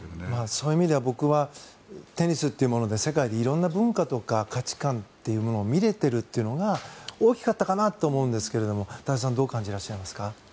そういう意味では僕はテニスというもので世界の色んな文化とか価値観というものを見れているというのが大きかったかなと思うんですけど太蔵さんどうお感じになりますか？